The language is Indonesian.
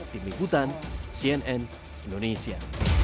tim ikutan cnn indonesia